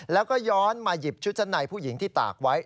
แล้วก็ย้อนมาหยิบชุดชั้นในผู้หญิงที่ตากไว้